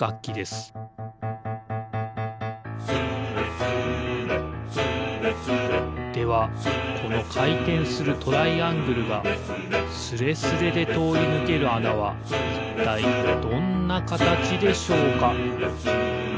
「スレスレスーレスレ」ではこのかいてんするトライアングルがスレスレでとおりぬけるあなはいったいどんなかたちでしょうか？